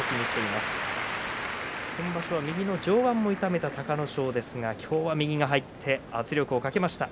今場所、右の上腕を痛めた隆の勝ですが、今日は右が入って圧力をかけました。